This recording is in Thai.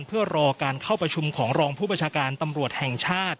เพื่อรอการเข้าประชุมของรองผู้บัญชาการตำรวจแห่งชาติ